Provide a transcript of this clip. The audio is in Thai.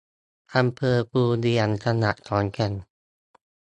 อำเภอภูเวียง จังหวัดขอนแก่น